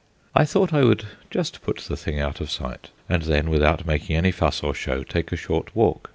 I thought I would just put the thing out of sight, and then, without making any fuss or show, take a short walk.